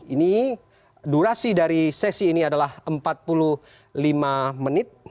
ini durasi dari sesi ini adalah empat puluh lima menit